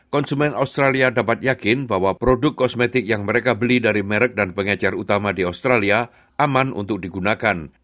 konsumen australia dapat yakin bahwa produk kosmetik yang mereka beli dari merek dan pengecer utama di australia aman untuk digunakan